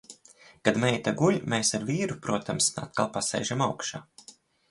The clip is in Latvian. Kad meita guļ, mēs ar vīru, protams, atkal pasēžam augšā.